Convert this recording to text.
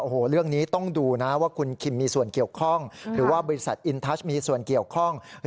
โอ้โหเรื่องนี้ต้องดูนะว่าคุณคิมมีส่วนเกี่ยวข้อง